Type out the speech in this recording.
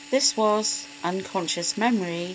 This was Unconscious Memory.